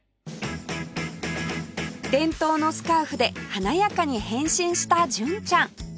伝統のスカーフで華やかに変身した純ちゃん